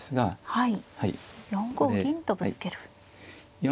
はい。